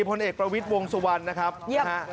พลเอกประวิจฯวงสุวรรณนะครับเยี่ยม